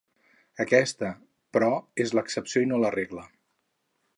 Aquesta, però, és l'excepció i no la regla.